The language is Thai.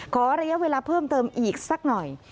ขอระยะเวลาเพิ่มเติมอีกสักหน่อย